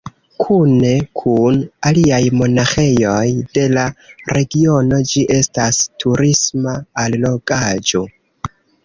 Kune kun aliaj monaĥejoj de la regiono ĝi estas turisma allogaĵo.